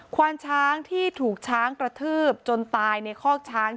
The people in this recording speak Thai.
ควานช้างที่ถูกช้างกระทืบจนตายในคอกช้าง